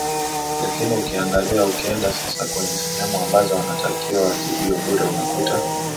lakini ukiangalia ukienda sasa kwenye sehemu ambazo wanatakiwa watibiwe bure unakuta